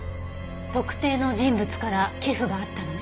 特定の人物から寄付があったのね。